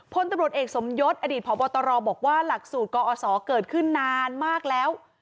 พลตำรวจเอกสมยศอดีตพบตรบอกว่าหลักสูตรกอศเกิดขึ้นนานมากแล้ว